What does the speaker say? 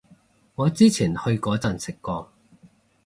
我之前去嗰陣食過